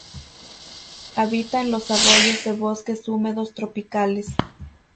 Habita en los arroyos de bosques húmedos tropicales.